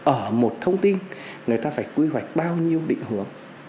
ở một thông tin người ta phải quy hoạch bao nhiêu định hướng